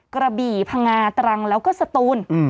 กระบี่พังงาตรังแล้วก็สตูน